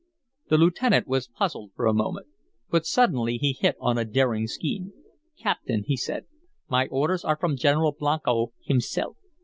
The lieutenant was puzzled for a moment. But suddenly he hit on a daring scheme. "Captain," he said, "my orders are from General Blanco himself.